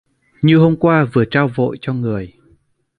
Như hôm qua vừa trao vội cho người